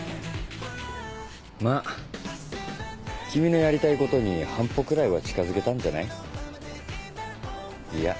まぁ君のやりたいことに半歩くらいは近づけたんじゃない？